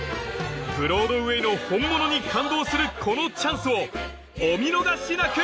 ブロードウェイの本物に感動するこのチャンスをお見逃しなく